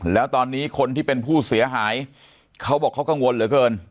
แล้วตอนนี้คนที่เป็นผู้เสียหายเขาบอกเขากังวลเหลือเกิน